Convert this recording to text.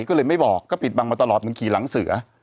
ก็เลยไม่บอกก็ปิดบังมาตลอดมันขี่หลังเสือ